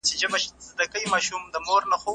د قانون حاکميت اړين دی.